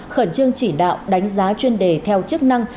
khẩn trương chỉ đạo đánh giá chuyên đề theo chức năng